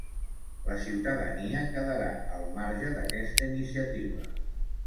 La ciutadania quedarà al marge d'aquesta iniciativa